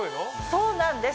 そうなんです